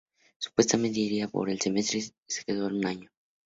Supuestamente iría por un semestre pero se quedó un año.